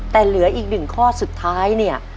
แต่เหลืออีกหนึ่งข้อสุดท้ายเนี่ย